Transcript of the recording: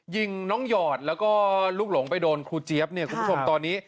ยิงน้องหยอดแล้วก็ลูกหลงไปโดนครูเจี๊ยบเนี่ยคุณผู้ชมตอนนี้